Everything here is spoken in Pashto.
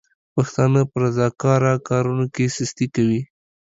پښتانه په رضاکاره کارونو کې سستي کوي.